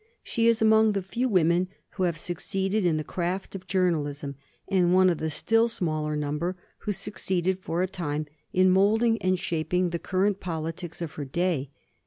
She is among the few women who have succeeded in the craft of journalism, and one of the still smaller number who succeeded for a time in moulding and shaping the current politics of her day.